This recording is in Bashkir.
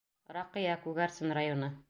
Раҡыя, Күгәрсен районы.